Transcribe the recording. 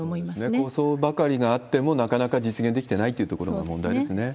構想ばかりがあっても、なかなか実現できていないというところが問題ですね。